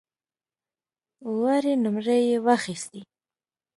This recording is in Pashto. لوړې نمرې یې واخیستې.